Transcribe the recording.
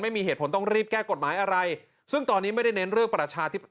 ไม่มีเหตุผลต้องรีบแก้กฎหมายอะไรซึ่งตอนนี้ไม่ได้เน้นเรื่องประชาธิปัต